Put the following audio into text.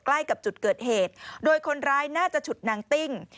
ใกล้กับจุดเกิดเหตุโดยคนร้ายน่าจะฉุดนางติ้ง